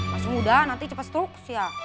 masih muda nanti cepet struks ya